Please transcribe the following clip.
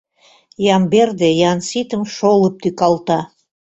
Ямберде Янситым шолып тӱкалта.